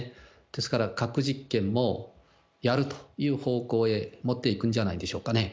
ですから、核実験もやるという方向へ持っていくんじゃないでしょうかね。